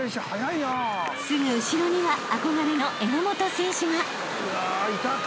［すぐ後ろには憧れの榎本選手が］うわいたか。